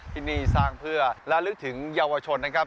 ที่นี่สร้างเพื่อระลึกถึงเยาวชนนะครับ